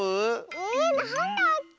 えなんだっけ？